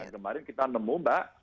kemarin kita nemu pak